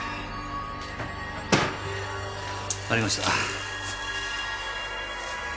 ありました。